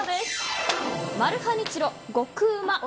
マルハニチロ極旨！